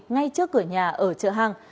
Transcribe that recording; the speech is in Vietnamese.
ngay trước cửa nhà ở chợ hàng